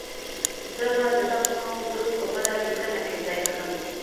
زه به د دغه قوم دود په بله لیکنه کې ځای کړم.